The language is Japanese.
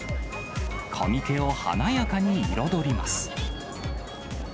コミケを華やかに彩ります。